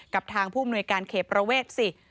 กับทางผู้อำนวยการเขตประเวทสิ